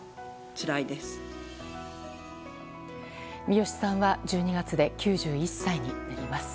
ミヨシさんは１２月で９１歳になります。